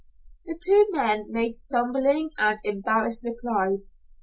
The two men made stumbling and embarrassed replies.